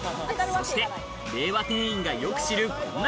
そして令和店員がよく知るこんな